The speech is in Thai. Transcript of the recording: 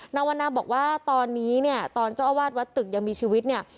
วันนาบอกว่าตอนนี้เนี่ยตอนเจ้าอาวาสวัดตึกยังมีชีวิตเนี่ย